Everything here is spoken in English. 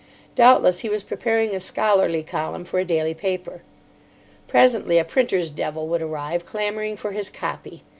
Doubtless he was preparing a scholarly column for a daily paper. Presently a printer's devil would arrive, clamouring for his "copy."